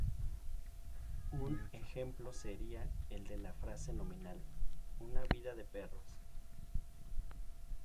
Un ejemplo sería el de la frase nominal ""una vida de perros"".